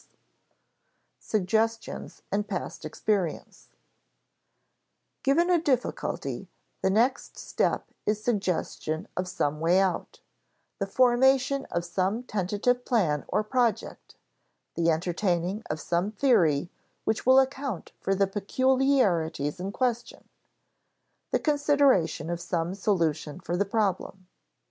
[Sidenote: Suggestions and past experience] Given a difficulty, the next step is suggestion of some way out the formation of some tentative plan or project, the entertaining of some theory which will account for the peculiarities in question, the consideration of some solution for the problem.